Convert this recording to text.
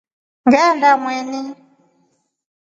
Ngeenda Mweni.